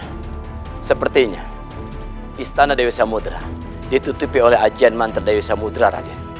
raden sepertinya istana dewi samudera ditutupi oleh ajan mantar dewi samudera raden